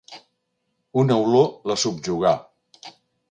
Una olor la subjugà.